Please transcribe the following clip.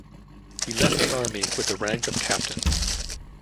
He left the army with the rank of captain.